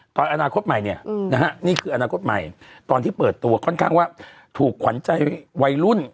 ตอนอนาคตใหม่เนี่ยนะฮะนี่คืออนาคตใหม่ตอนที่เปิดตัวค่อนข้างว่าถูกขวัญใจวัยรุ่น